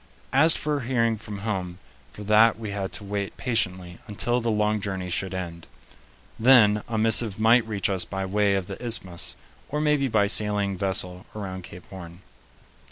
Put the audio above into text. As for hearing from home, for that we had to wait patiently until the long journey should end; then a missive might reach us by way of the Isthmus, or maybe by sailing vessel around Cape Horn.